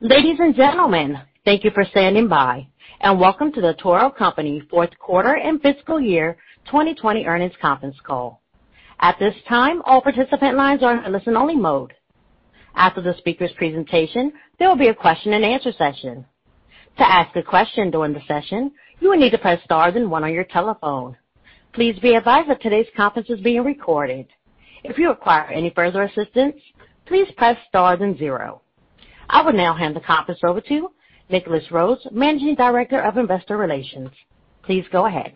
Ladies and gentlemen, thank you for standing by and welcome to The Toro Company Fourth Quarter and Fiscal Year 2020 Earnings Conference Call. At this time, all participant lines are in listen only mode. After the speaker's presentation, there will be a question-and-answer session. To ask a question during the session, you will need to press star then one on your telephone. Please be advised that today's conference is being recorded. If you require any further assistance, please press star then zero. I will now hand the conference over to Nicholas Rhoads, Managing Director of Investor Relations. Please go ahead.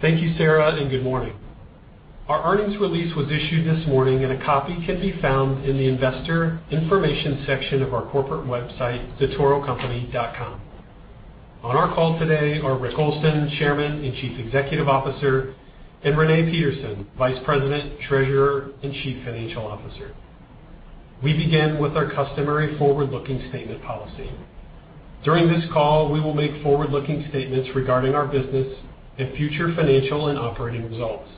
Thank you, Sarah, and good morning. Our earnings release was issued this morning, and a copy can be found in the Investor Information section of our corporate website, thetorocompany.com. On our call today are Rick Olson, Chairman and Chief Executive Officer, and Renee Peterson, Vice President, Treasurer, and Chief Financial Officer. We begin with our customary forward-looking statement policy. During this call, we will make forward-looking statements regarding our business and future financial and operating results.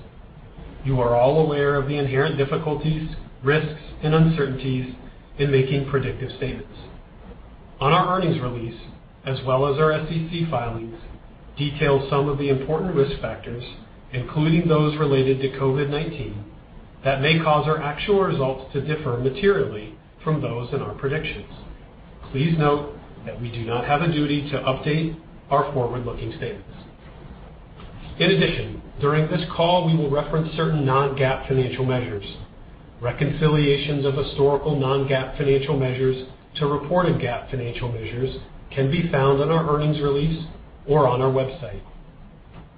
You are all aware of the inherent difficulties, risks, and uncertainties in making predictive statements. On our earnings release, as well as our SEC filings, detail some of the important risk factors, including those related to COVID-19, that may cause our actual results to differ materially from those in our predictions. Please note that we do not have a duty to update our forward-looking statements. In addition, during this call, we will reference certain non-GAAP financial measures. Reconciliations of historical non-GAAP financial measures to reported GAAP financial measures can be found on our earnings release or on our website.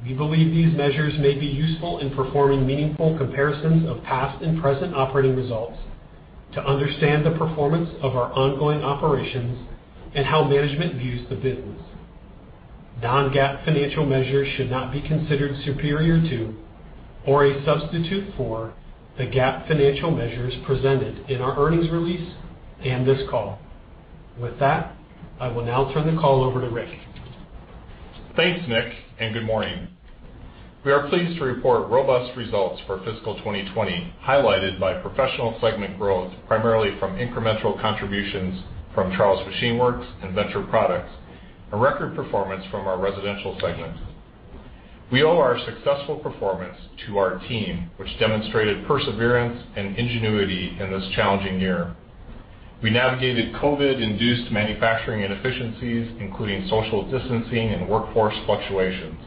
We believe these measures may be useful in performing meaningful comparisons of past and present operating results, to understand the performance of our ongoing operations and how management views the business. Non-GAAP financial measures should not be considered superior to or a substitute for the GAAP financial measures presented in our earnings release and this call. With that, I will now turn the call over to Rick. Thanks, Nick. Good morning. We are pleased to report robust results for fiscal 2020, highlighted by professional segment growth, primarily from incremental contributions from Charles Machine Works and Venture Products, a record performance from our residential segment. We owe our successful performance to our team, which demonstrated perseverance and ingenuity in this challenging year. We navigated COVID-induced manufacturing inefficiencies, including social distancing and workforce fluctuations.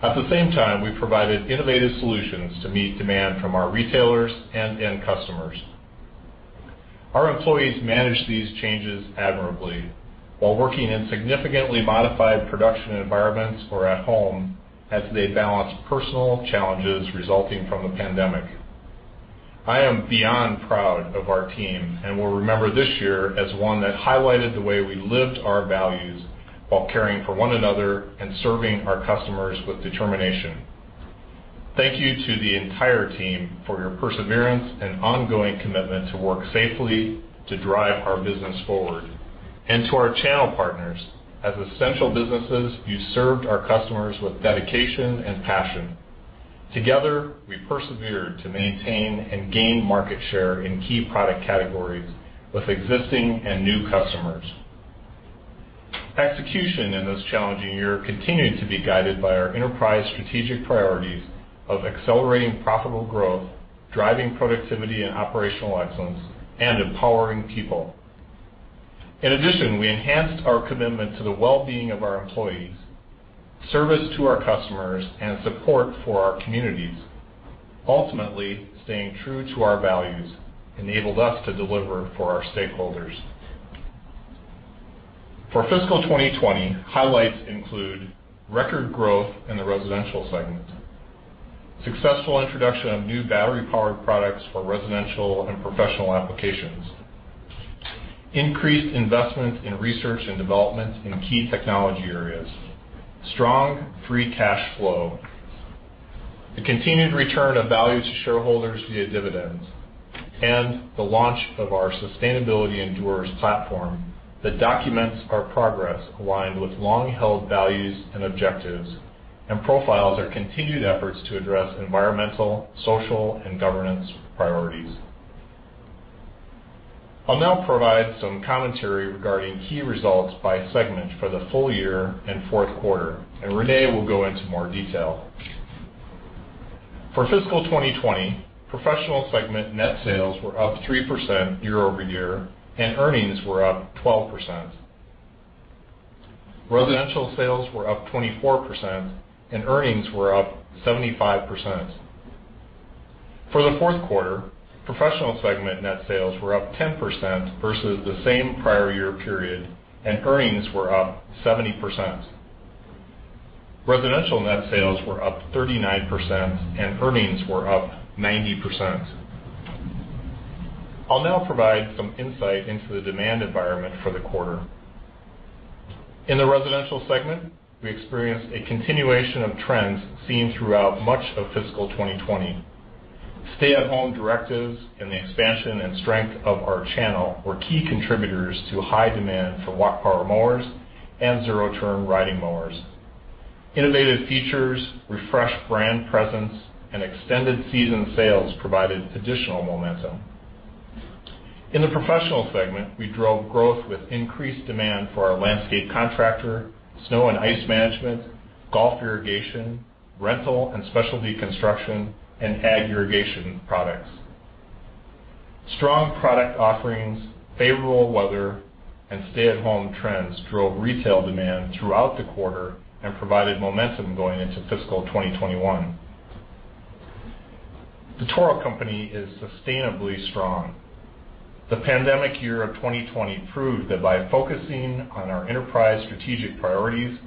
At the same time, we provided innovative solutions to meet demand from our retailers and end customers. Our employees managed these changes admirably while working in significantly modified production environments or at home as they balanced personal challenges resulting from the pandemic. I am beyond proud of our team and will remember this year as one that highlighted the way we lived our values while caring for one another and serving our customers with determination. Thank you to the entire team for your perseverance and ongoing commitment to work safely to drive our business forward. To our channel partners, as essential businesses, you served our customers with dedication and passion. Together, we persevered to maintain and gain market share in key product categories with existing and new customers. Execution in this challenging year continued to be guided by our enterprise strategic priorities of accelerating profitable growth, driving productivity and operational excellence, and empowering people. In addition, we enhanced our commitment to the well-being of our employees, service to our customers, and support for our communities. Ultimately, staying true to our values enabled us to deliver for our stakeholders. For fiscal 2020, highlights include record growth in the Residential segment, successful introduction of new battery-powered products for residential and professional applications, increased investment in research and development in key technology areas, strong free cash flow, the continued return of value to shareholders via dividends, and the launch of our Sustainability Endures platform that documents our progress aligned with long-held values and objectives and profiles our continued efforts to address environmental, social, and governance priorities. I'll now provide some commentary regarding key results by segment for the full year and fourth quarter. Renee will go into more detail. For fiscal 2020, professional segment net sales were up 3% year-over-year. Earnings were up 12%. Residential sales were up 24%. Earnings were up 75%. For the fourth quarter, professional segment net sales were up 10% versus the same prior year period. Earnings were up 70%. Residential net sales were up 39%, and earnings were up 90%. I'll now provide some insight into the demand environment for the quarter. In the Residential segment, we experienced a continuation of trends seen throughout much of fiscal 2020. Stay-at-home directives and the expansion and strength of our channel were key contributors to high demand for walk power mowers and zero-turn riding mowers. Innovative features, refreshed brand presence, and extended season sales provided additional momentum. In the Professional segment, we drove growth with increased demand for our landscape contractor, snow and ice management, golf irrigation, rental and specialty construction, and ag irrigation products. Strong product offerings, favorable weather, and stay-at-home trends drove retail demand throughout the quarter and provided momentum going into fiscal 2021. The Toro Company is sustainably strong. The pandemic year of 2020 proved that by focusing on our enterprise strategic priorities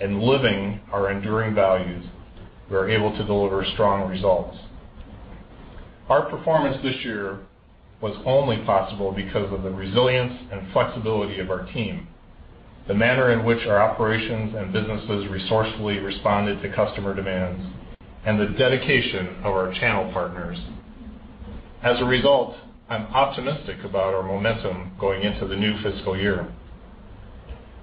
and living our enduring values, we're able to deliver strong results. Our performance this year was only possible because of the resilience and flexibility of our team, the manner in which our operations and businesses resourcefully responded to customer demands, and the dedication of our channel partners. As a result, I'm optimistic about our momentum going into the new fiscal year.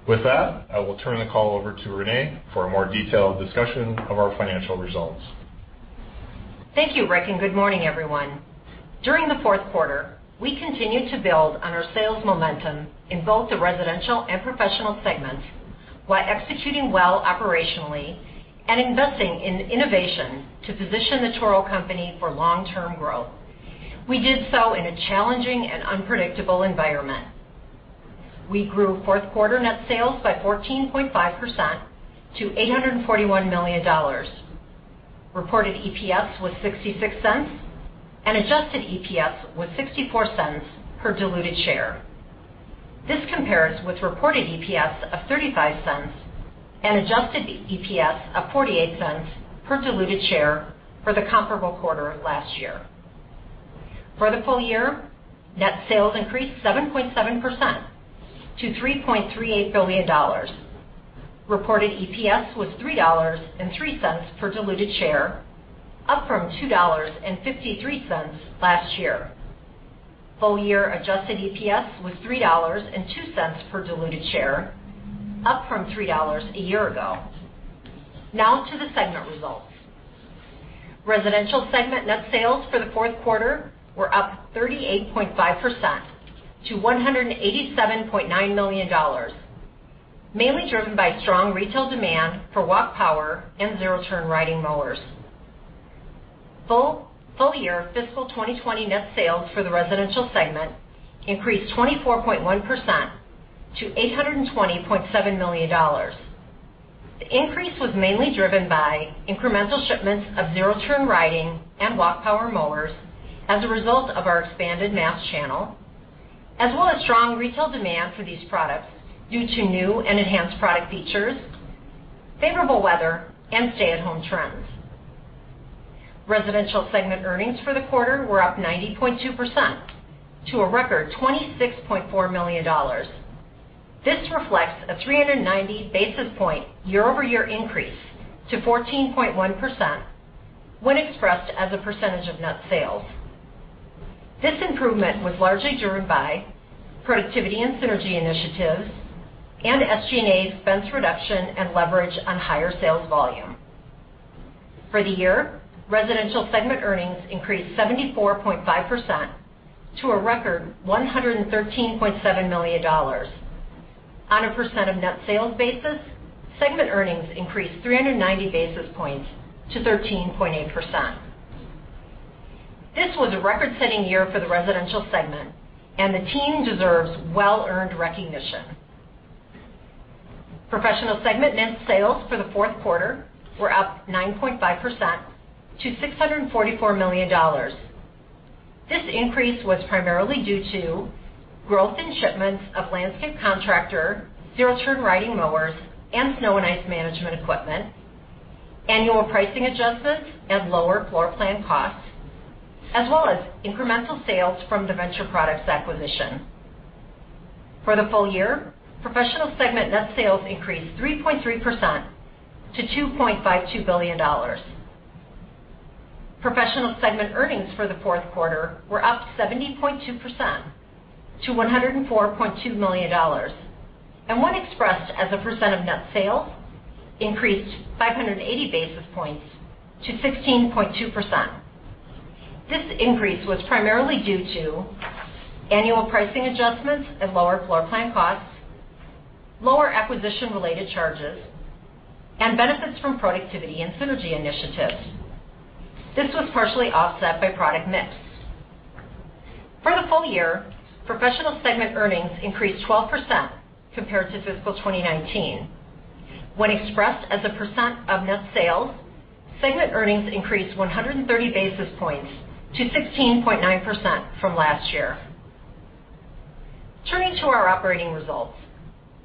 With that, I will turn the call over to Renee for a more detailed discussion of our financial results. Thank you, Rick. Good morning, everyone. During the fourth quarter, we continued to build on our sales momentum in both the Residential and Professional segments, while executing well operationally and investing in innovation to position The Toro Company for long-term growth. We did so in a challenging and unpredictable environment. We grew fourth quarter net sales by 14.5% to $841 million. Reported EPS was $0.66, and adjusted EPS was $0.64 per diluted share. This compares with reported EPS of $0.35 and adjusted EPS of $0.48 per diluted share for the comparable quarter last year. For the full year, net sales increased 7.7% to $3.38 billion. Reported EPS was $3.03 per diluted share, up from $2.53 last year. Full year adjusted EPS was $3.02 per diluted share, up from $3 a year ago. Now to the segment results. Residential segment net sales for the fourth quarter were up 38.5% to $187.9 million, mainly driven by strong retail demand for walk power and zero-turn riding mowers. Full year fiscal 2020 net sales for the residential segment increased 24.1% to $820.7 million. The increase was mainly driven by incremental shipments of zero-turn riding and walk power mowers as a result of our expanded mass channel, as well as strong retail demand for these products due to new and enhanced product features, favorable weather, and stay-at-home trends. Residential segment earnings for the quarter were up 90.2% to a record $26.4 million. This reflects a 390 basis point year-over-year increase to 14.1% when expressed as a percentage of net sales. This improvement was largely driven by productivity and synergy initiatives and SG&A expense reduction and leverage on higher sales volume. For the year, residential segment earnings increased 74.5% to a record $113.7 million. On a percent of net sales basis, segment earnings increased 390 basis points to 13.8%. This was a record-setting year for the residential segment and the team deserves well-earned recognition. Professional segment net sales for the fourth quarter were up 9.5% to $644 million. This increase was primarily due to growth in shipments of landscape contractor, zero-turn riding mowers, and snow and ice management equipment, annual pricing adjustments and lower floor plan costs, as well as incremental sales from the Venture Products acquisition. For the full year, professional segment net sales increased 3.3% to $2.52 billion. Professional segment earnings for the fourth quarter were up 70.2% to $104.2 million, and when expressed as a percent of net sales, increased 580 basis points to 16.2%. This increase was primarily due to annual pricing adjustments and lower floor plan costs, lower acquisition-related charges, and benefits from productivity and synergy initiatives. This was partially offset by product mix. For the full year, professional segment earnings increased 12% compared to fiscal 2019. When expressed as a percent of net sales, segment earnings increased 130 basis points to 16.9% from last year. Turning to our operating results.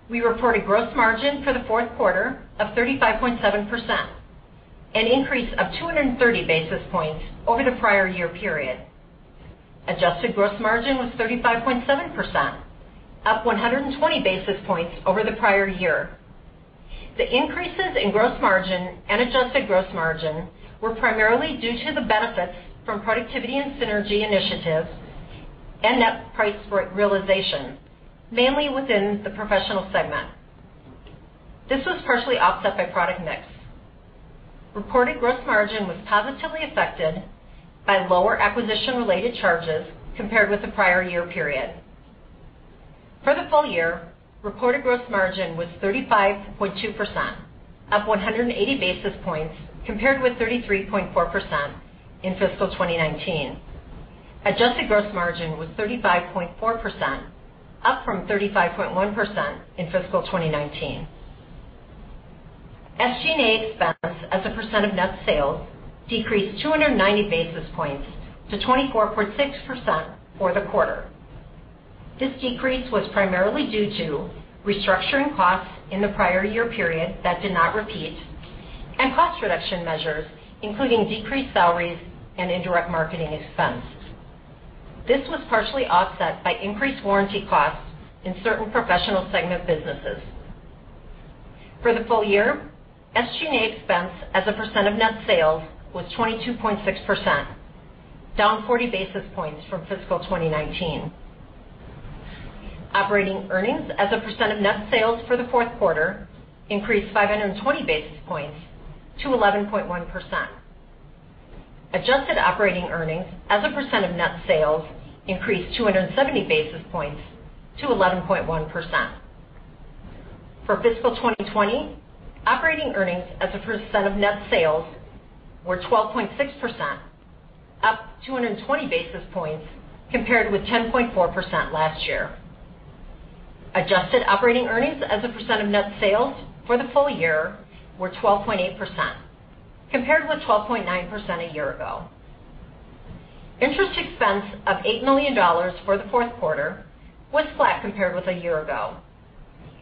We reported gross margin for the fourth quarter of 35.7%, an increase of 230 basis points over the prior year period. Adjusted gross margin was 35.7%, up 120 basis points over the prior year. The increases in gross margin and adjusted gross margin were primarily due to the benefits from productivity and synergy initiatives and net price realization, mainly within the professional segment. This was partially offset by product mix. Reported gross margin was positively affected by lower acquisition-related charges compared with the prior year period. For the full year, reported gross margin was 35.2%, up 180 basis points compared with 33.4% in fiscal 2019. Adjusted gross margin was 35.4%, up from 35.1% in fiscal 2019. SG&A expense as a percent of net sales decreased 290 basis points to 24.6% for the quarter. This decrease was primarily due to restructuring costs in the prior year period that did not repeat, and cost reduction measures, including decreased salaries and indirect marketing expense. This was partially offset by increased warranty costs in certain Professional segment businesses. For the full year, SG&A expense as a percent of net sales was 22.6%, down 40 basis points from fiscal 2019. Operating earnings as a percent of net sales for the fourth quarter increased 520 basis points to 11.1%. Adjusted operating earnings as a percent of net sales increased 270 basis points to 11.1%. For fiscal 2020, operating earnings as a percent of net sales were 12.6%, up 220 basis points compared with 10.4% last year. Adjusted operating earnings as a percent of net sales for the full year were 12.8%, compared with 12.9% a year ago. Interest expense of $8 million for the fourth quarter was flat compared with a year ago.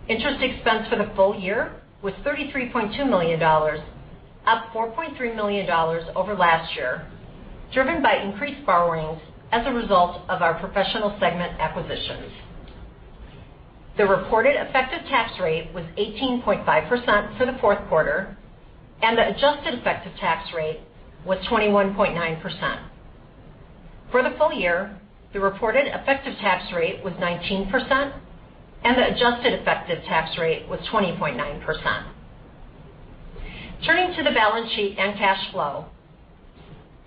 Interest expense for the full year was $33.2 million, up $4.3 million over last year, driven by increased borrowings as a result of our Professional segment acquisitions. The reported effective tax rate was 18.5% for the fourth quarter, and the adjusted effective tax rate was 21.9%. For the full year, the reported effective tax rate was 19%, and the adjusted effective tax rate was 20.9%. Turning to the balance sheet and cash flow.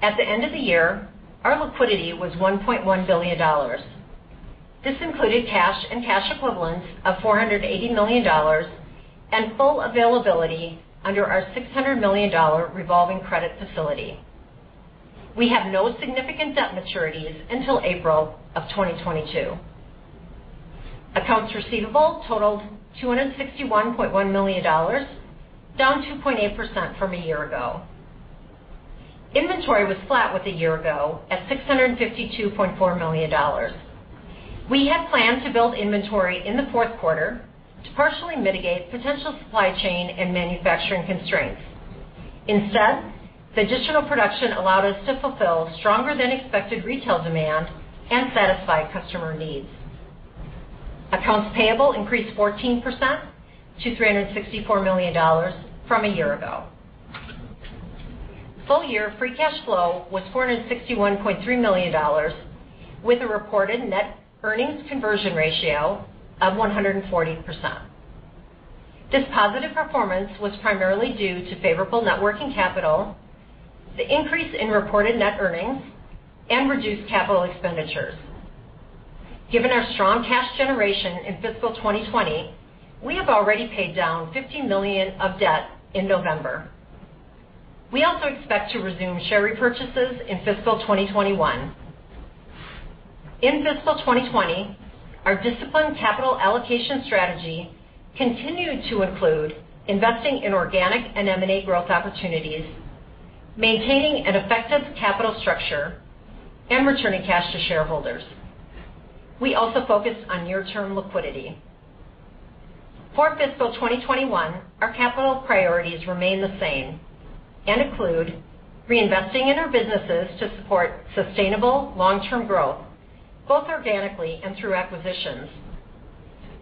At the end of the year, our liquidity was $1.1 billion. This included cash and cash equivalents of $480 million and full availability under our $600 million revolving credit facility. We have no significant debt maturities until April of 2022. Accounts receivable totaled $261.1 million, down 2.8% from a year ago. Inventory was flat with a year ago at $652.4 million. We had planned to build inventory in the fourth quarter to partially mitigate potential supply chain and manufacturing constraints. Instead, the additional production allowed us to fulfill stronger than expected retail demand and satisfy customer needs. Accounts payable increased 14% to $364 million from a year ago. Full year free cash flow was $461.3 million with a reported net earnings conversion ratio of 140%. This positive performance was primarily due to favorable net working capital, the increase in reported net earnings, and reduced capital expenditures. Given our strong cash generation in fiscal 2020, we have already paid down $50 million of debt in November. We also expect to resume share repurchases in fiscal 2021. In fiscal 2020, our disciplined capital allocation strategy continued to include investing in organic and M&A growth opportunities, maintaining an effective capital structure, and returning cash to shareholders. We also focused on near-term liquidity. For fiscal 2021, our capital priorities remain the same and include reinvesting in our businesses to support sustainable long-term growth, both organically and through acquisitions,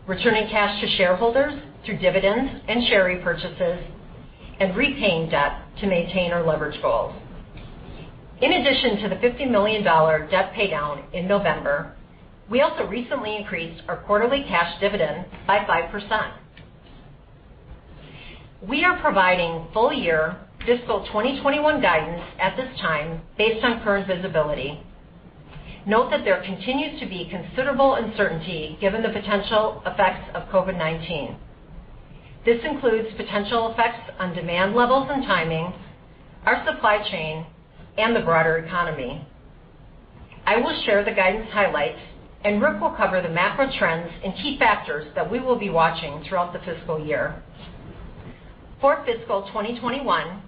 returning cash to shareholders through dividends and share repurchases, and repaying debt to maintain our leverage goals. In addition to the $50 million debt paydown in November, we also recently increased our quarterly cash dividend by 5%. We are providing full year fiscal 2021 guidance at this time based on current visibility. Note that there continues to be considerable uncertainty given the potential effects of COVID-19. This includes potential effects on demand levels and timing, our supply chain, and the broader economy. I will share the guidance highlights, and Rick will cover the macro trends and key factors that we will be watching throughout the fiscal year. For fiscal 2021,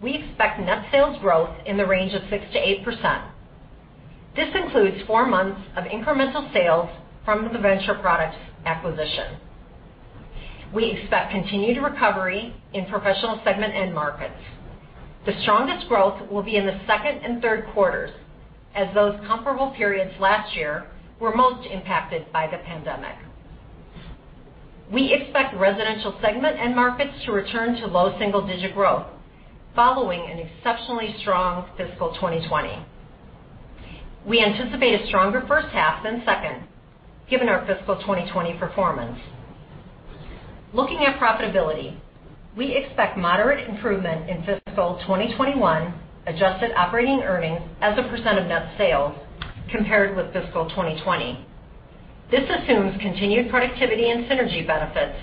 we expect net sales growth in the range of 6%-8%. This includes four months of incremental sales from the Venture Products acquisition. We expect continued recovery in Professional segment end markets. The strongest growth will be in the second and third quarters, as those comparable periods last year were most impacted by the pandemic. We expect residential segment end markets to return to low single-digit growth following an exceptionally strong fiscal 2020. We anticipate a stronger first half than second, given our fiscal 2020 performance. Looking at profitability, we expect moderate improvement in fiscal 2021 adjusted operating earnings as a percent of net sales compared with fiscal 2020. This assumes continued productivity and synergy benefits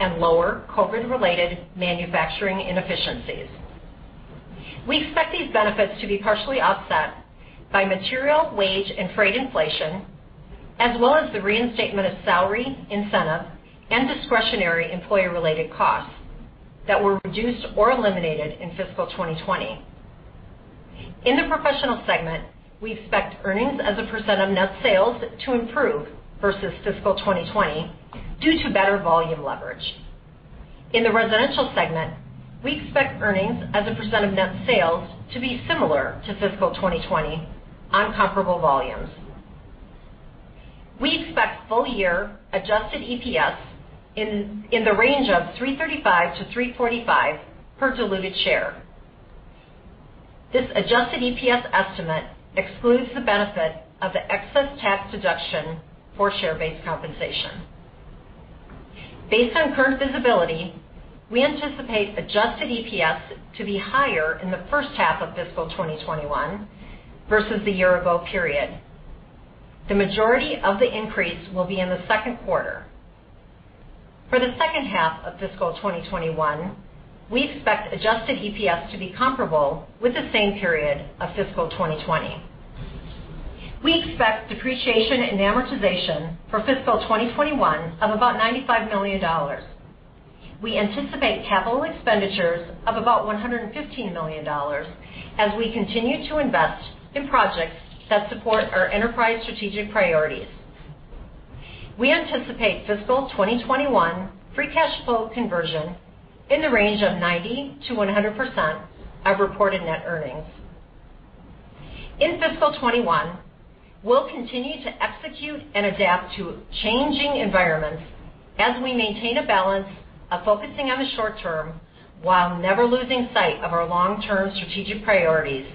and lower COVID-related manufacturing inefficiencies. We expect these benefits to be partially offset by material, wage, and freight inflation, as well as the reinstatement of salary, incentive, and discretionary employee-related costs that were reduced or eliminated in fiscal 2020. In the Professional segment, we expect earnings as a percent of net sales to improve versus fiscal 2020 due to better volume leverage. In the Residential segment, we expect earnings as a percent of net sales to be similar to fiscal 2020 on comparable volumes. We expect full-year adjusted EPS in the range of $3.35-$3.45 per diluted share. This adjusted EPS estimate excludes the benefit of the excess tax deduction for share-based compensation. Based on current visibility, we anticipate adjusted EPS to be higher in the first half of fiscal 2021 versus the year-ago period. The majority of the increase will be in the second quarter. For the second half of fiscal 2021, we expect adjusted EPS to be comparable with the same period of fiscal 2020. We expect depreciation and amortization for fiscal 2021 of about $95 million. We anticipate capital expenditures of about $115 million as we continue to invest in projects that support our enterprise strategic priorities. We anticipate fiscal 2021 free cash flow conversion in the range of 90%-100% of reported net earnings. In fiscal 2021, we'll continue to execute and adapt to changing environments as we maintain a balance of focusing on the short term while never losing sight of our long-term strategic priorities.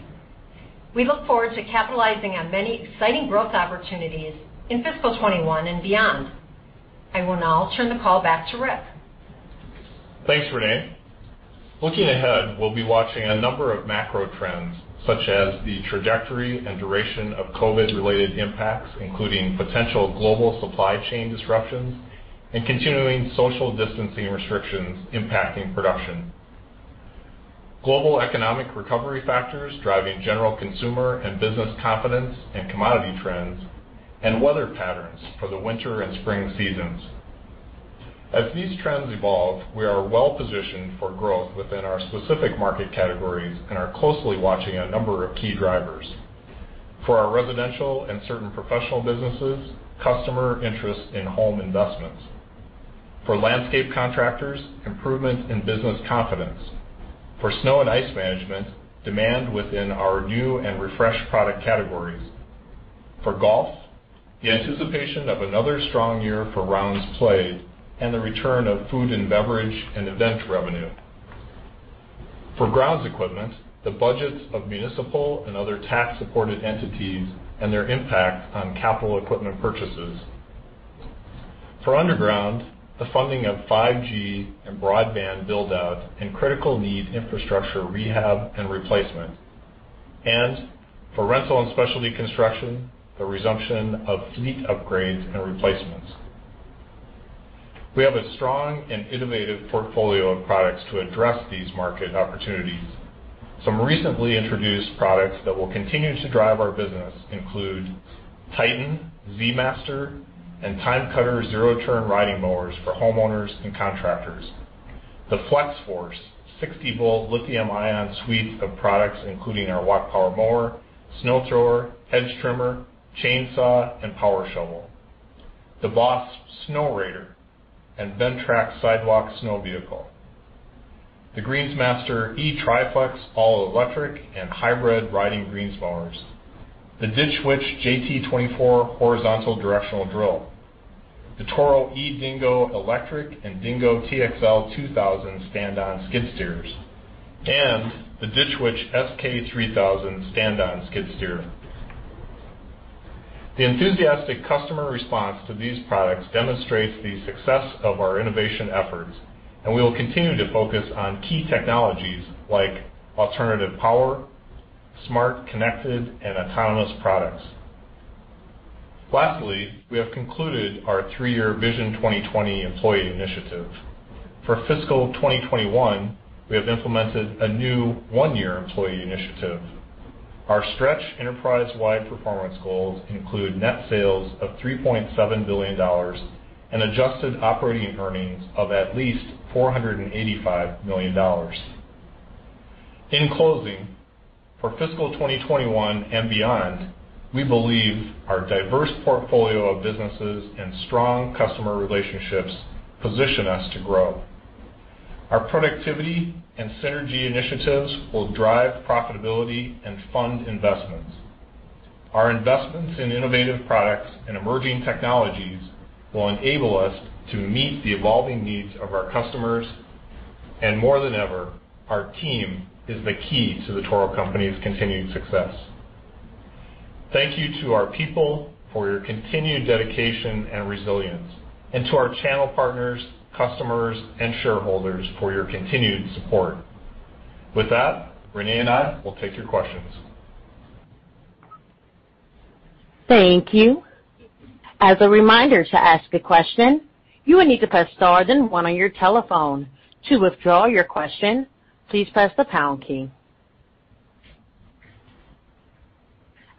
We look forward to capitalizing on many exciting growth opportunities in fiscal 2021 and beyond. I will now turn the call back to Rick. Thanks, Renee. Looking ahead, we'll be watching a number of macro trends, such as the trajectory and duration of COVID-related impacts, including potential global supply chain disruptions and continuing social distancing restrictions impacting production, global economic recovery factors driving general consumer and business confidence and commodity trends, and weather patterns for the winter and spring seasons. As these trends evolve, we are well-positioned for growth within our specific market categories and are closely watching a number of key drivers. For our residential and certain professional businesses, customer interest in home investments. For landscape contractors, improvement in business confidence. For snow and ice management, demand within our new and refreshed product categories. For golf, the anticipation of another strong year for rounds played and the return of food and beverage and event revenue. For grounds equipment, the budgets of municipal and other tax-supported entities and their impact on capital equipment purchases. For underground, the funding of 5G and broadband build-out and critical need infrastructure rehab and replacement. For rental and specialty construction, the resumption of fleet upgrades and replacements. We have a strong and innovative portfolio of products to address these market opportunities. Some recently introduced products that will continue to drive our business include TITAN, Z Master, and TimeCutter zero-turn riding mowers for homeowners and contractors. The Flex-Force 60-volt lithium-ion suite of products including our walk power mower, snow thrower, hedge trimmer, chainsaw, and power shovel. The BOSS Snowrator and Ventrac sidewalk snow vehicle. The Greensmaster eTriFlex all-electric and hybrid riding greens mowers. The Ditch Witch JT24 horizontal directional drill. The Toro eDingo electric and Dingo TXL 2000 stand-on skid steers, and the Ditch Witch SK3000 stand-on skid steer. The enthusiastic customer response to these products demonstrates the success of our innovation efforts, and we will continue to focus on key technologies like alternative power, smart, connected, and autonomous products. Lastly, we have concluded our three-year Vision 2020 employee initiative. For fiscal 2021, we have implemented a new one-year employee initiative. Our stretch enterprise-wide performance goals include net sales of $3.7 billion and adjusted operating earnings of at least $485 million. In closing, for fiscal 2021 and beyond, we believe our diverse portfolio of businesses and strong customer relationships position us to grow. Our productivity and synergy initiatives will drive profitability and fund investments. Our investments in innovative products and emerging technologies will enable us to meet the evolving needs of our customers. More than ever, our team is the key to The Toro Company's continued success. Thank you to our people for your continued dedication and resilience, and to our channel partners, customers, and shareholders for your continued support. With that, Renee and I will take your questions. Thank you. As a reminder, to ask a question, you will need to press star then one on your telephone. To withdraw your question, please press the pound key.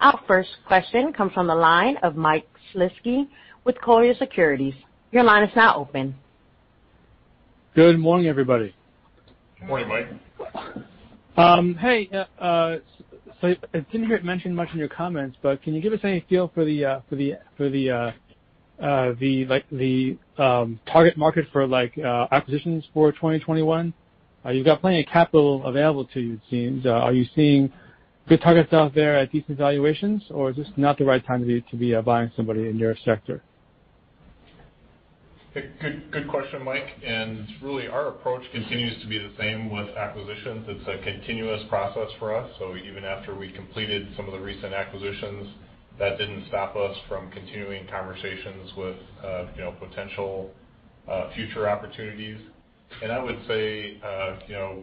Our first question comes from the line of Mike Shlisky with Colliers Securities. Your line is now open. Good morning, everybody. Good morning, Mike. Hey. I didn't hear it mentioned much in your comments, but can you give us any feel for the target market for acquisitions for 2021? You've got plenty of capital available to you, it seems. Are you seeing good targets out there at decent valuations? Is this not the right time to be buying somebody in your sector? Good question, Mike, really our approach continues to be the same with acquisitions. It's a continuous process for us. Even after we completed some of the recent acquisitions, that didn't stop us from continuing conversations with potential future opportunities. I would say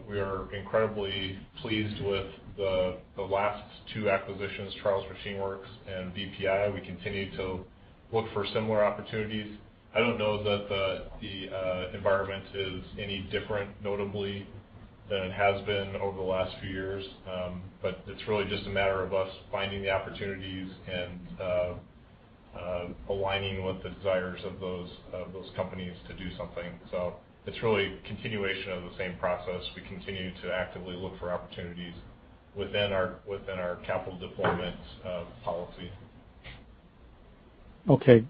we are incredibly pleased with the last two acquisitions, Charles Machine Works and VPI. We continue to look for similar opportunities. I don't know that the environment is any different notably than it has been over the last few years. It's really just a matter of us finding the opportunities and aligning with the desires of those companies to do something. It's really a continuation of the same process. We continue to actively look for opportunities within our capital deployment policy. Okay.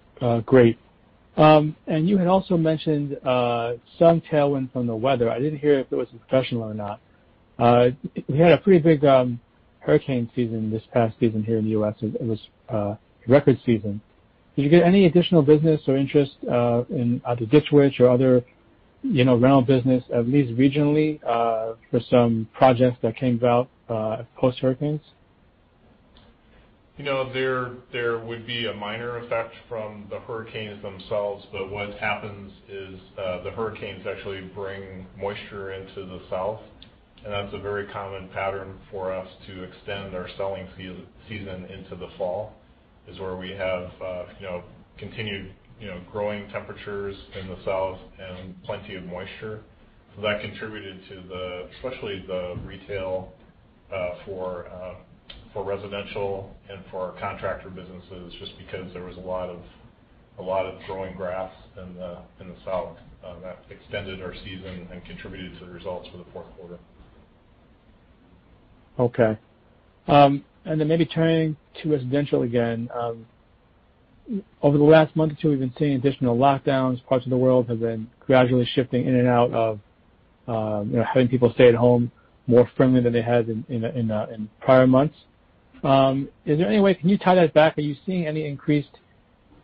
Great. You had also mentioned some tailwind from the weather. I didn't hear if it was professional or not. We had a pretty big hurricane season this past season here in the U.S. It was a record season. Did you get any additional business or interest in either Ditch Witch or other rental business, at least regionally for some projects that came about post hurricanes? There would be a minor effect from the hurricanes themselves. What happens is the hurricanes actually bring moisture into the South, and that's a very common pattern for us to extend our selling season into the fall, is where we have continued growing temperatures in the South and plenty of moisture. That contributed to especially the retail for residential and for our contractor businesses, just because there was a lot of growing grass in the South. That extended our season and contributed to the results for the fourth quarter. Okay. Maybe turning to residential again. Over the last month or two, we've been seeing additional lockdowns. Parts of the world have been gradually shifting in and out of having people stay at home more firmly than they had in prior months. Is there any way, can you tie that back? Are you seeing any increased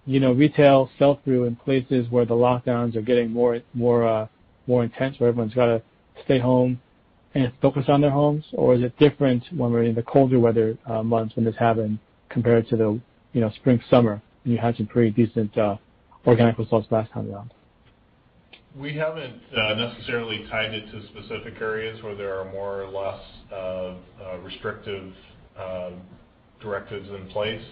retail sell-through in places where the lockdowns are getting more intense, where everyone's got to stay home and focus on their homes? Is it different when we're in the colder weather months when this happened compared to the spring, summer, when you had some pretty decent organic results last time around? We haven't necessarily tied it to specific areas where there are more or less restrictive directives in place.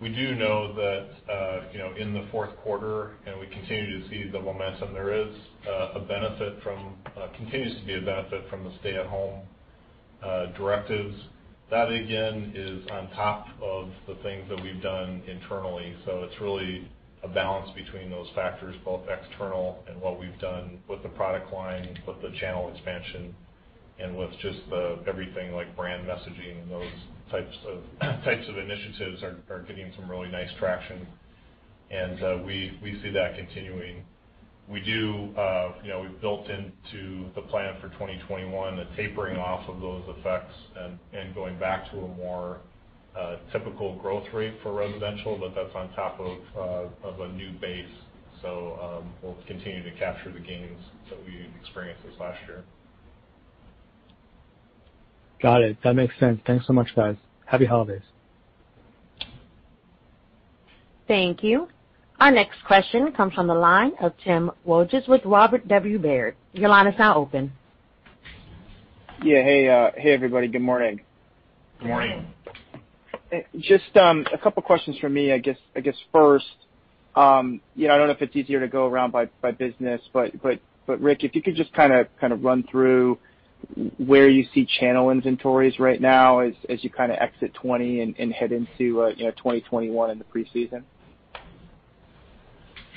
We do know that in the fourth quarter, and we continue to see the momentum, there continues to be a benefit from the stay-at-home directives. That, again, is on top of the things that we've done internally. It's really a balance between those factors, both external and what we've done with the product line, with the channel expansion, and with just everything like brand messaging and those types of initiatives are getting some really nice traction. We see that continuing. We've built into the plan for 2021, a tapering off of those effects and going back to a more typical growth rate for residential. That's on top of a new base. We'll continue to capture the gains that we experienced this last year. Got it. That makes sense. Thanks so much, guys. Happy holidays. Thank you. Our next question comes from the line of Tim Wojs with Robert W. Baird. Your line is now open. Yeah. Hey everybody. Good morning. Good morning. Just a couple questions from me. I guess first, I don't know if it's easier to go around by business, Rick, if you could just run through where you see channel inventories right now as you exit 2020 and head into 2021 in the preseason.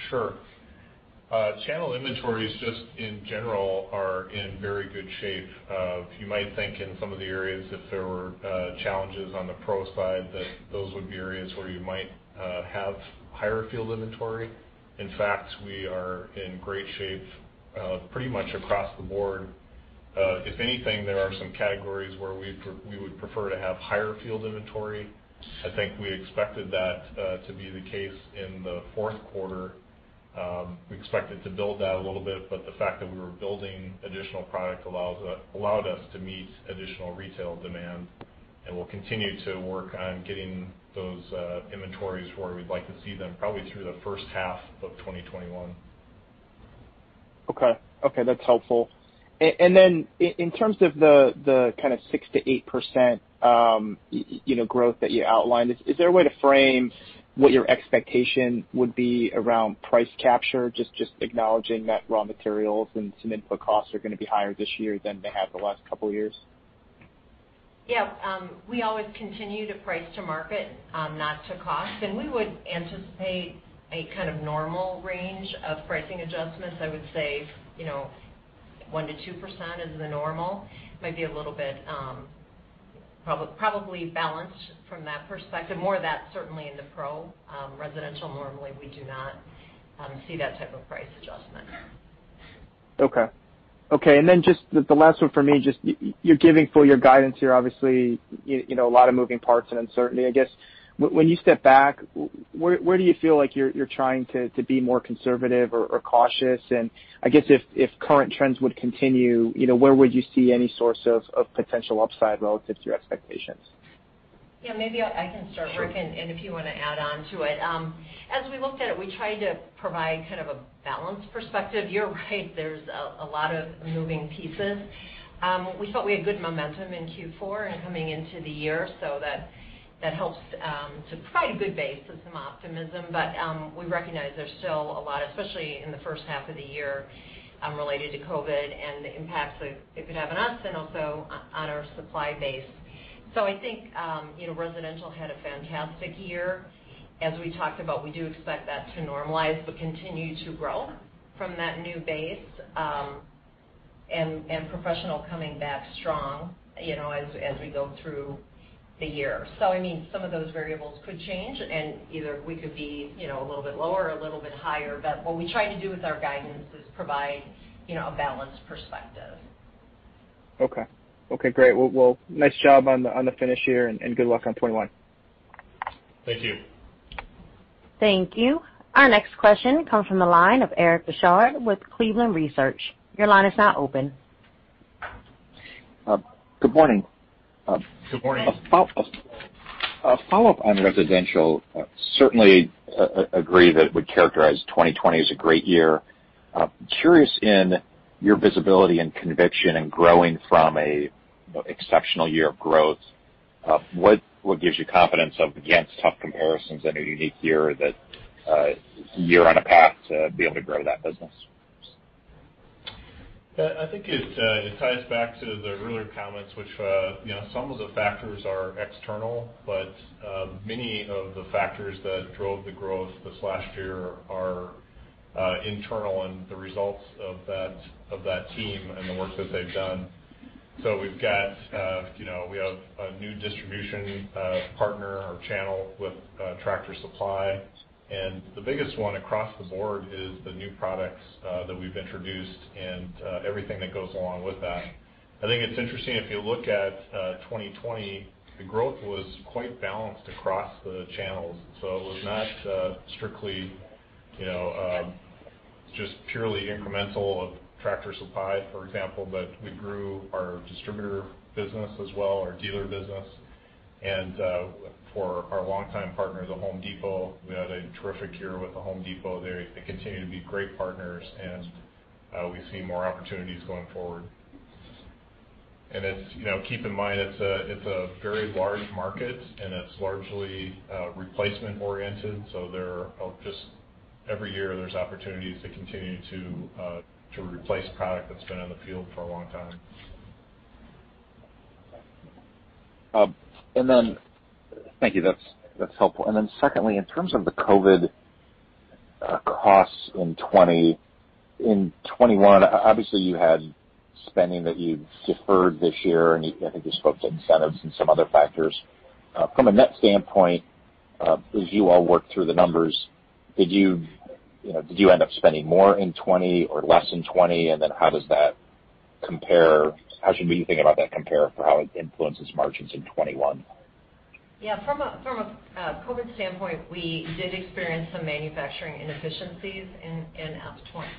Sure. Channel inventories, just in general, are in very good shape. You might think in some of the areas, if there were challenges on the pro side, that those would be areas where you might have higher field inventory. In fact, we are in great shape pretty much across the board. If anything, there are some categories where we would prefer to have higher field inventory. I think we expected that to be the case in the fourth quarter. We expected to build that a little bit, the fact that we were building additional product allowed us to meet additional retail demand. We'll continue to work on getting those inventories where we'd like to see them probably through the first half of 2021. Okay. That's helpful. In terms of the kind of 6%-8% growth that you outlined, is there a way to frame what your expectation would be around price capture, just acknowledging that raw materials and some input costs are going to be higher this year than they have the last couple of years? Yes. We always continue to price to market, not to cost. We would anticipate a kind of normal range of pricing adjustments. I would say, 1%-2% is the normal. Maybe a little bit probably balanced from that perspective. More of that certainly in the pro. Residential, normally, we do not see that type of price adjustment. Okay. Just the last one for me, just you're giving for your guidance here, obviously, a lot of moving parts and uncertainty. I guess when you step back, where do you feel like you're trying to be more conservative or cautious? I guess if current trends would continue, where would you see any source of potential upside relative to your expectations? Yeah, maybe I can start, Rick. Sure. If you want to add on to it. As we looked at it, we tried to provide kind of a balanced perspective. You're right, there's a lot of moving pieces. We felt we had good momentum in Q4 and coming into the year, that helps to provide a good base of some optimism. We recognize there's still a lot, especially in the first half of the year, related to COVID and the impacts that it could have on us and also on our supply base. I think residential had a fantastic year. As we talked about, we do expect that to normalize, but continue to grow from that new base, and professional coming back strong as we go through the year. I mean, some of those variables could change, and either we could be a little bit lower or a little bit higher. What we try to do with our guidance is provide a balanced perspective. Okay. Great. Well, nice job on the finish here, and good luck on 2021. Thank you. Thank you. Our next question comes from the line of Eric Bosshard with Cleveland Research. Your line is now open. Good morning. Good morning. Good morning. A follow-up on residential. Certainly agree that it would characterize 2020 as a great year. Curious in your visibility and conviction and growing from an exceptional year of growth, what gives you confidence of, against tough comparisons and a unique year, that you're on a path to be able to grow that business? I think it ties back to the earlier comments, which some of the factors are external, but many of the factors that drove the growth this last year are internal and the results of that team and the work that they've done. We have a new distribution partner or channel with Tractor Supply. The biggest one across the board is the new products that we've introduced and everything that goes along with that. I think it's interesting, if you look at 2020, the growth was quite balanced across the channels. It was not strictly just purely incremental of Tractor Supply, for example, but we grew our distributor business as well, our dealer business. For our longtime partner, The Home Depot, we had a terrific year with The Home Depot. They continue to be great partners, and we see more opportunities going forward. Keep in mind, it's a very large market and it's largely replacement oriented, so every year there's opportunities to continue to replace product that's been in the field for a long time. Thank you. That's helpful. Secondly, in terms of the COVID costs in 2020. In 2021, obviously you had spending that you deferred this year, and I think you spoke to incentives and some other factors. From a net standpoint, as you all worked through the numbers, did you end up spending more in 2020 or less in 2020? How should we think about that compare for how it influences margins in 2021? Yeah, from a COVID standpoint, we did experience some manufacturing inefficiencies in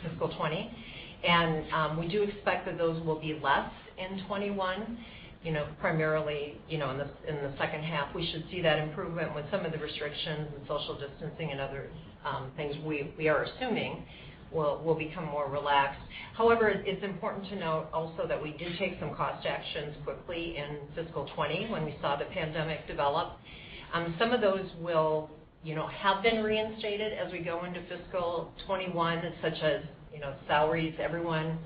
fiscal 2020. We do expect that those will be less in 2021. Primarily, in the second half, we should see that improvement with some of the restrictions and social distancing and other things we are assuming will become more relaxed. However, it's important to note also that we did take some cost actions quickly in fiscal 2020 when we saw the pandemic develop. Some of those have been reinstated as we go into fiscal 2021, such as salaries. Everyone,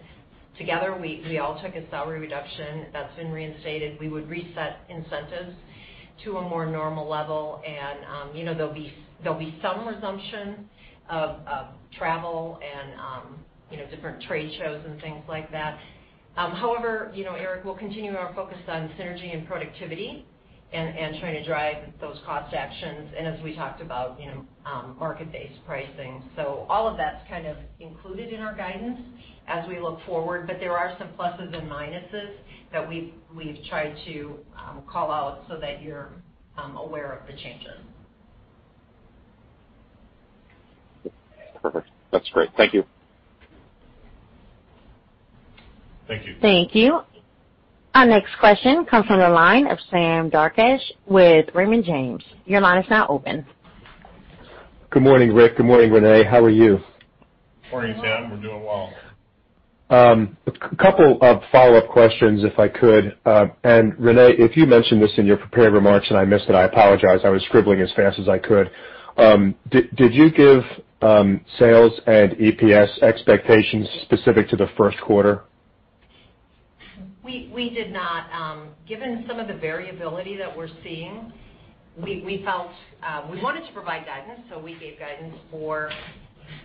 together, we all took a salary reduction. That's been reinstated. We would reset incentives to a more normal level, there'll be some resumption of travel and different trade shows and things like that. However, Eric, we'll continue our focus on synergy and productivity and trying to drive those cost actions. As we talked about, market-based pricing. All of that's kind of included in our guidance as we look forward. There are some pluses and minuses that we've tried to call out so that you're aware of the changes. Perfect. That's great. Thank you. Thank you. Thank you. Our next question comes from the line of Sam Darkatsh with Raymond James. Your line is now open. Good morning, Rick. Good morning, Renee. How are you? Morning, Sam. We're doing well. A couple of follow-up questions, if I could. Renee, if you mentioned this in your prepared remarks and I missed it, I apologize. I was scribbling as fast as I could. Did you give sales and EPS expectations specific to the first quarter? We did not. Given some of the variability that we're seeing, we wanted to provide guidance. We gave guidance for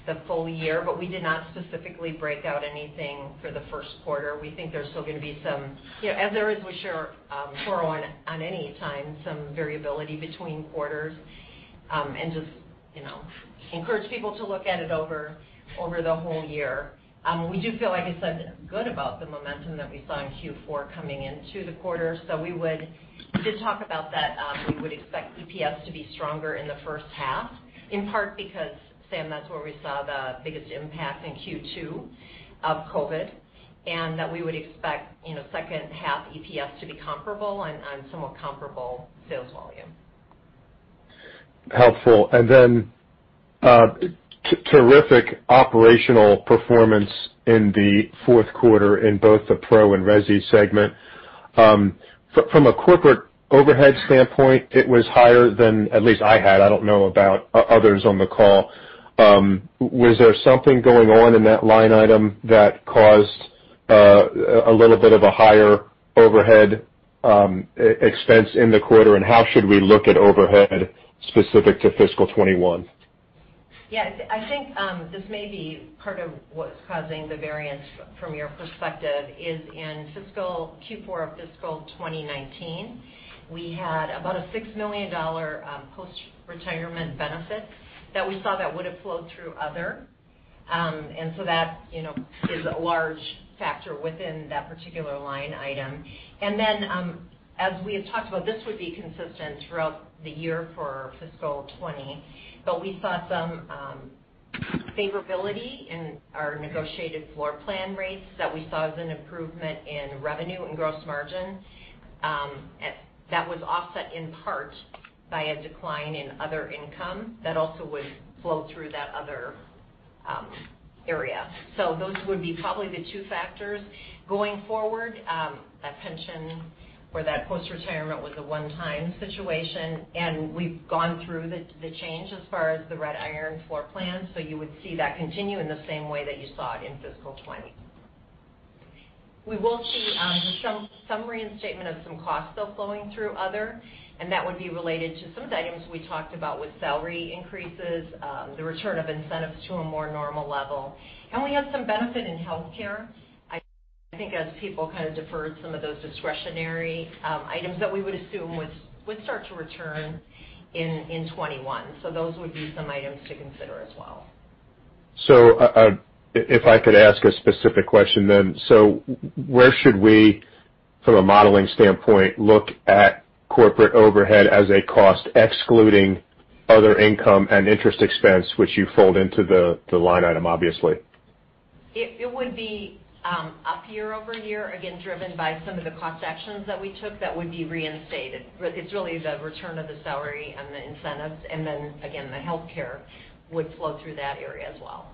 the full year, but we did not specifically break out anything for the first quarter. We think there's still going to be some, as there is, we're sure, on any time, some variability between quarters, and just encourage people to look at it over the whole year. We do feel, like I said, good about the momentum that we saw in Q4 coming into the quarter. We did talk about that we would expect EPS to be stronger in the first half, in part because, Sam, that's where we saw the biggest impact in Q2 of COVID, and that we would expect second half EPS to be comparable on somewhat comparable sales volume. Helpful. Terrific operational performance in the fourth quarter in both the pro and resi segment. From a corporate overhead standpoint, it was higher than at least I had. I don't know about others on the call. Was there something going on in that line item that caused a little bit of a higher overhead expense in the quarter, and how should we look at overhead specific to fiscal 2021? Yeah. I think this may be part of what's causing the variance from your perspective is in Q4 of fiscal 2019, we had about a $6 million post-retirement benefit that we saw that would've flowed through other. That is a large factor within that particular line item. Then, as we had talked about, this would be consistent throughout the year for fiscal 2020. We saw some favorability in our negotiated floor plan rates that we saw as an improvement in revenue and gross margin. That was offset in part by a decline in other income that also would flow through that other area. Those would be probably the two factors going forward. That pension for that post-retirement was a one-time situation, and we've gone through the change as far as the Red Iron floor plan, so you would see that continue in the same way that you saw it in fiscal 2020. We will see some reinstatement of some costs, though, flowing through other. That would be related to some of the items we talked about with salary increases, the return of incentives to a more normal level. We had some benefit in healthcare, I think as people kind of deferred some of those discretionary items that we would assume would start to return in 2021. Those would be some items to consider as well. If I could ask a specific question then. Where should we, from a modeling standpoint, look at corporate overhead as a cost, excluding other income and interest expense, which you fold into the line item, obviously? It would be up year-over-year, again, driven by some of the cost actions that we took that would be reinstated. It's really the return of the salary and the incentives, and then again, the healthcare would flow through that area as well.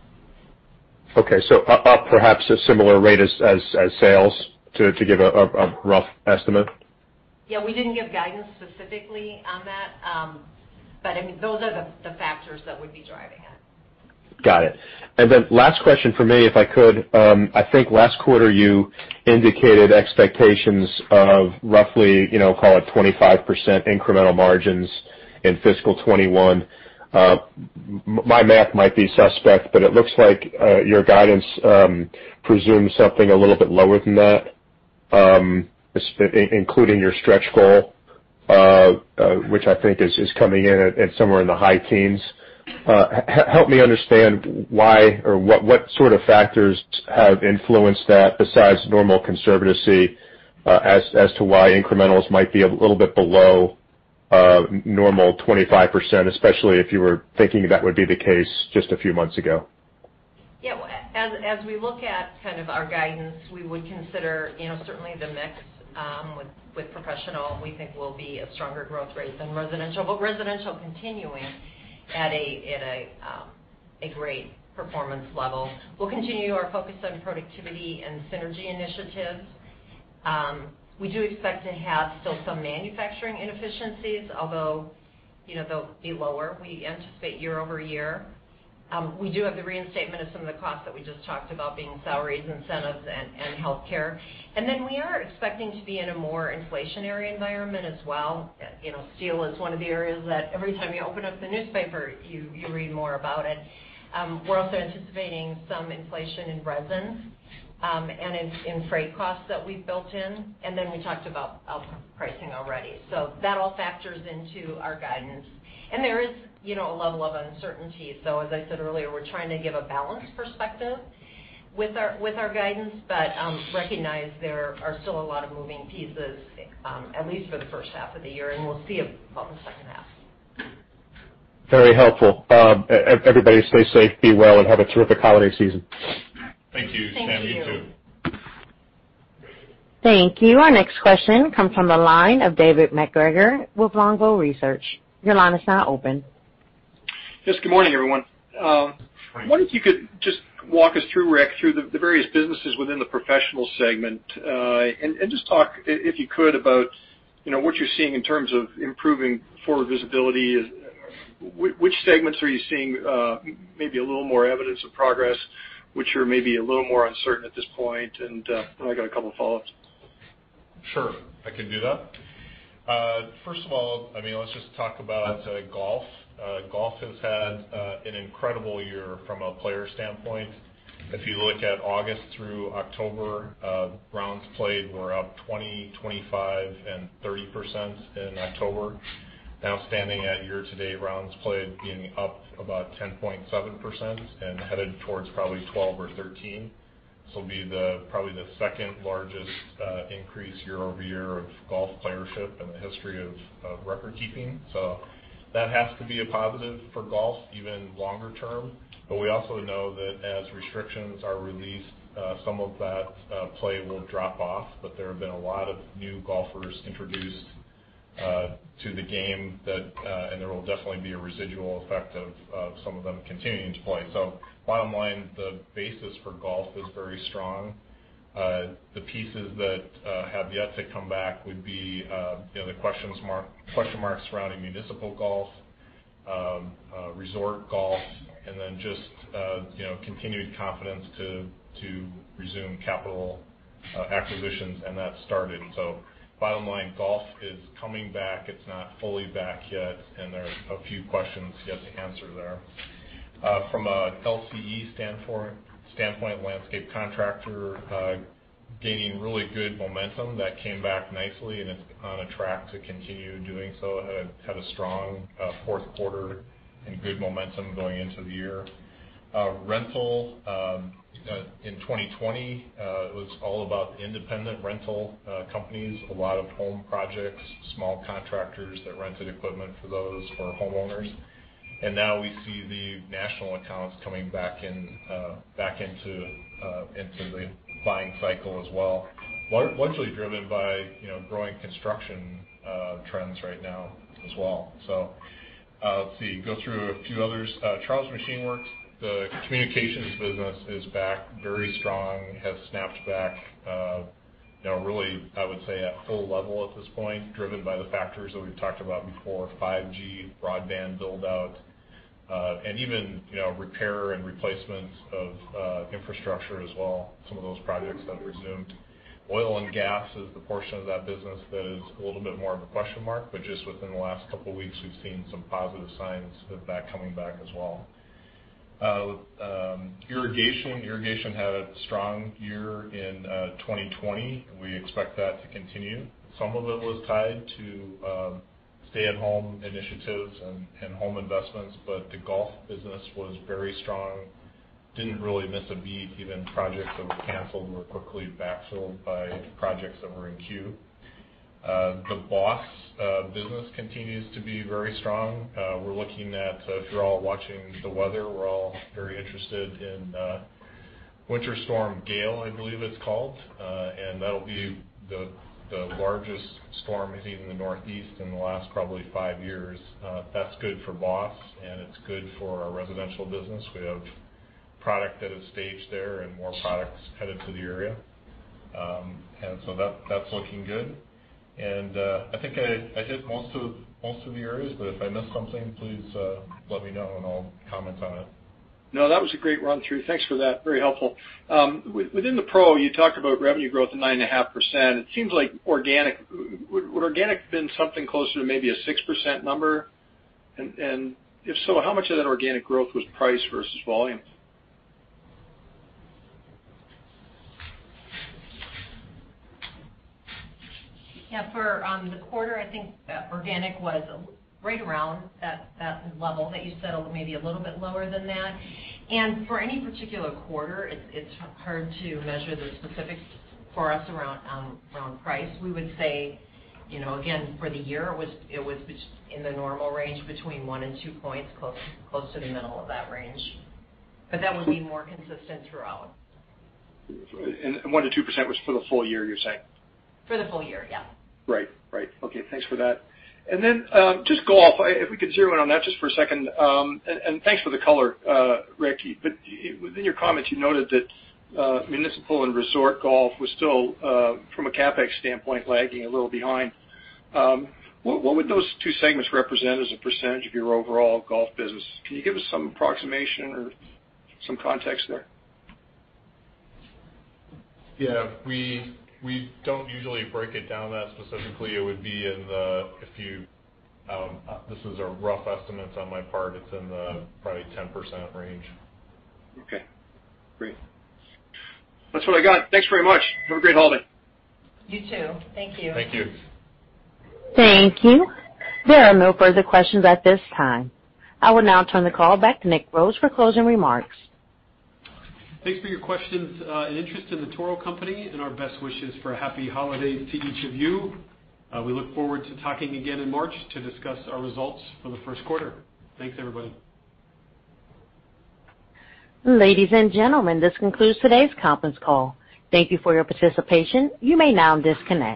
Okay. Up perhaps a similar rate as sales to give a rough estimate? Yeah, we didn't give guidance specifically on that. Those are the factors that would be driving it. Got it. Last question from me, if I could. I think last quarter you indicated expectations of roughly, call it 25% incremental margins in fiscal 2021. My math might be suspect, but it looks like your guidance presumes something a little bit lower than that, including your stretch goal, which I think is coming in at somewhere in the high teens. Help me understand why or what sort of factors have influenced that besides normal [conservatism] as to why incrementals might be a little bit below normal 25%, especially if you were thinking that would be the case just a few months ago. Yeah. As we look at kind of our guidance, we would consider certainly the mix with professional we think will be a stronger growth rate than residential, but residential continuing at a great performance level. We'll continue our focus on productivity and synergy initiatives. We do expect to have still some manufacturing inefficiencies, although they'll be lower, we anticipate year-over-year. We do have the reinstatement of some of the costs that we just talked about, being salaries, incentives, and healthcare. We are expecting to be in a more inflationary environment as well. Steel is one of the areas that every time you open up the newspaper, you read more about it. We're also anticipating some inflation in resins and in freight costs that we've built in, and then we talked about pricing already. That all factors into our guidance. There is a level of uncertainty. As I said earlier, we're trying to give a balanced perspective with our guidance, but recognize there are still a lot of moving pieces, at least for the first half of the year, and we'll see about the second half. Very helpful. Everybody stay safe, be well, and have a terrific holiday season. Thank you. Our next question comes from the line of David MacGregor with Longbow Research. Your line is now open. Yes, good morning, everyone. Morning. I wonder if you could just walk us through, Rick, through the various businesses within the professional segment. Just talk, if you could, about what you're seeing in terms of improving forward visibility. Which segments are you seeing maybe a little more evidence of progress? Which are maybe a little more uncertain at this point? Then I got a couple of follow-ups. Sure, I can do that. First of all, let's just talk about golf. Golf has had an incredible year from a player standpoint. If you look at August through October, rounds played were up 20%, 25% and 30% in October. Now standing at year-to-date rounds played being up about 10.7% and headed towards probably 12% or 13%. This will be probably the second-largest increase year-over-year of golf playership in the history of record keeping. That has to be a positive for golf even longer term. We also know that as restrictions are released, some of that play will drop off, but there have been a lot of new golfers introduced to the game, and there will definitely be a residual effect of some of them continuing to play. Bottom line, the basis for golf is very strong. The pieces that have yet to come back would be the question marks surrounding municipal golf, resort golf, and then just continued confidence to resume capital acquisitions and that starting. Bottom line, golf is coming back. It's not fully back yet, and there's a few questions yet to answer there. From a LCE standpoint, landscape contractor gaining really good momentum. That came back nicely, and it's on a track to continue doing so. Had a strong fourth quarter and good momentum going into the year. Rental, in 2020, it was all about independent rental companies, a lot of home projects, small contractors that rented equipment for those, for homeowners. Now we see the national accounts coming back into the buying cycle as well. Largely driven by growing construction trends right now as well. Let's see, go through a few others. Charles Machine Works, the communications business is back very strong, has snapped back really, I would say, at full level at this point, driven by the factors that we've talked about before, 5G, broadband build-out, and even repair and replacement of infrastructure as well, some of those projects that resumed. Oil and gas is the portion of that business that is a little bit more of a question mark, but just within the last couple of weeks, we've seen some positive signs of that coming back as well. Irrigation. Irrigation had a strong year in 2020. We expect that to continue. Some of it was tied to stay-at-home initiatives and home investments, but the golf business was very strong. Didn't really miss a beat, even projects that were canceled were quickly backfilled by projects that were in queue. The BOSS business continues to be very strong. We're looking at, if you're all watching the weather, we're all very interested in Winter Storm Gail, I believe it's called. That'll be the largest storm hitting the Northeast in the last probably five years. That's good for BOSS. It's good for our residential business. We have product that is staged there. More products headed to the area. That's looking good. I think I hit most of the areas, but if I missed something, please let me know and I'll comment on it. No, that was a great run-through. Thanks for that. Very helpful. Within the pro, you talked about revenue growth of 9.5%. It seems like organic. Would organic been something closer to maybe a 6% number? If so, how much of that organic growth was price versus volume? Yeah. For the quarter, I think organic was right around that level that you said, maybe a little bit lower than that. For any particular quarter, it's hard to measure the specifics for us around price. We would say, again, for the year, it was in the normal range between 1 and 2 points, close to the middle of that range. That would be more consistent throughout. 1%-2% was for the full year, you're saying? For the full year, yeah. Right. Okay, thanks for that. Then just golf, if we could zero in on that just for a second. Thanks for the color, Rick, but within your comments, you noted that municipal and resort golf was still, from a CapEx standpoint, lagging a little behind. What would those two segments represent as a percentage of your overall golf business? Can you give us some approximation or some context there? Yeah. We don't usually break it down that specifically. This is a rough estimate on my part. It's in the probably 10% range. Okay, great. That's what I got. Thanks very much. Have a great holiday. You too. Thank you. Thank you. Thank you. There are no further questions at this time. I will now turn the call back to Nick Rhoads for closing remarks. Thanks for your questions and interest in The Toro Company, and our best wishes for a happy holiday to each of you. We look forward to talking again in March to discuss our results for the first quarter. Thanks, everybody. Ladies and gentlemen, this concludes today's conference call. Thank you for your participation. You may now disconnect.